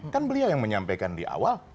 kan beliau yang menyampaikan di awal